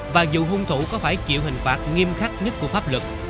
và dù hung thủ có phải chịu hình phạt nghiêm khắc nhất của pháp luật